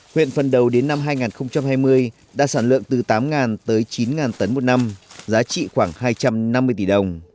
huyện phần đầu đến năm hai nghìn hai mươi đã sản lượng từ tám tới chín tấn một năm giá trị khoảng hai trăm năm mươi tỷ đồng